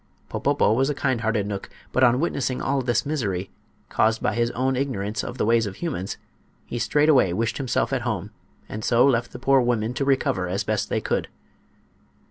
Popopo was a kind hearted knook, but on witnessing all this misery, caused by his own ignorance of the ways of humans, he straightway wished himself at home, and so left the poor women to recover as best they could.